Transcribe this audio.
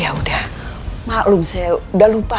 ya udah maklum saya udah lupa